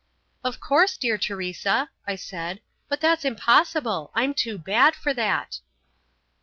"Of course, dear Teresa," I said, "but that's impossible, I'm too bad for that."